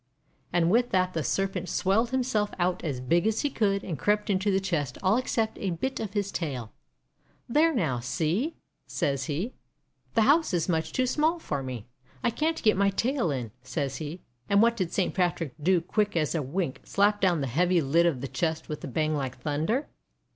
And with that the Serpent swelled himself out as big as he could, and crept into the chest all except a bit of his tail. "There now, see," says he, 'the house is much too small for me. I can't get my tail in," says he. And what did Saint Patrick do but quick as a wink slap down the heavy lid of the chest with a bang like thunder?